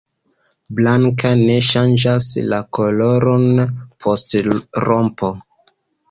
Blanka, ne ŝanĝas la koloron post rompo.